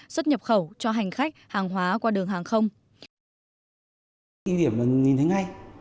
xuất nhập khẩu cho hành khách hàng hóa qua đường hàng không